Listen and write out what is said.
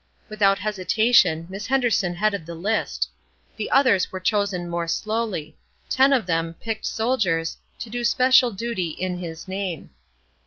Without hesitation, Miss Henderson headed the list. The others were chosen more slowly; ten of them, picked soldiers, to do special duty "in His name."